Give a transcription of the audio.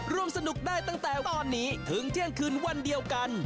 ร่วมสนุกได้ตั้งแต่ตอนนี้ถึงเที่ยงคืนวันเดียวกัน